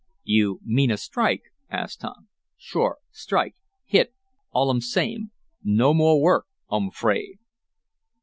"You mean a strike?" asked Tom. "Sure strike hit all um same. No more work um 'fraid!"